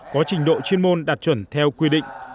có trình độ chuyên môn đạt chuẩn theo quy định